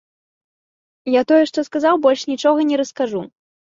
Я тое што сказаў, больш нічога не раскажу.